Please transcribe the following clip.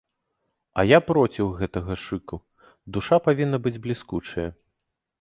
А я проціў гэтага шыку, душа павінна быць бліскучая!